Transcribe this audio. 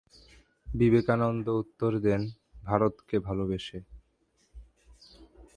বিবেকানন্দ উত্তর দেন, "ভারতকে ভালবেসে"।